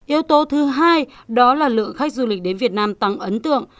yếu tố thứ hai đó là lượng khách du lịch đến việt nam tăng ấn tượng